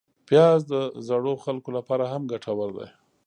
پیاز د زړو خلکو لپاره هم ګټور دی